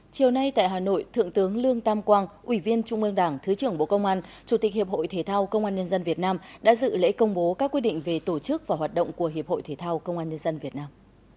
chiều nay tại hà nội thượng tướng lương tam quang ủy viên trung ương đảng thứ trưởng bộ công an chủ tịch hiệp hội thể thao công an nhân dân việt nam đã dự lễ công bố các quyết định về tổ chức và hoạt động của hiệp hội thể thao công an nhân dân việt nam